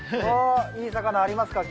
いい魚ありますか？